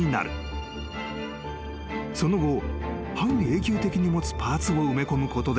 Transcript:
［その後半永久的に持つパーツを埋め込むことで］